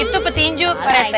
itu peti inju pak rete